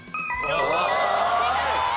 正解です。